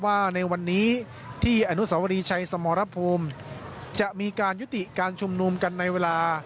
ว่าในวันนี้ที่อนุสวรีชัยสมรภูมิจะมีการยุติการชุมนุมกันในเวลา